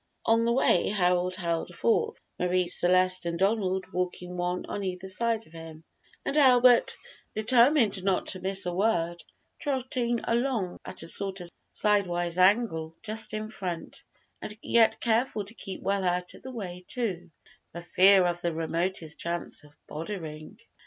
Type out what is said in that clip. On the way Harold held forth, Marie Celeste and Donald walking one on either side of him, and Albert, determined not to miss a word, trotting along at a sort of sidewise angle just in front, and yet careful to keep well out of the way, too, for fear of the remotest chance of "boddering."